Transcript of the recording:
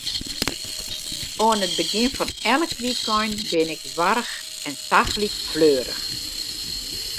Oan it begjin fan elk wykein bin ik warch en tagelyk fleurich.